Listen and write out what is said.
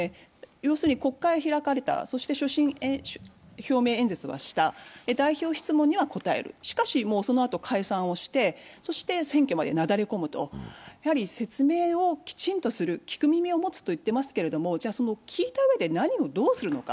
要するに国会が開かれた、所信表明演説はした、代表質問には答える、しかし、そのあと解散をして選挙までなだれ込むと、説明をきちんとする聞く耳を持つと言ってますけど、聞いたうえで何をどうするのか。